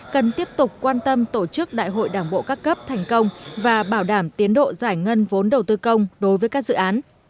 cần tiếp tục quan tâm tổ chức đại hội đảng bộ các cấp thành công và bảo đảm tiến độ giải ngân vốn đầu tư công đối với các dự án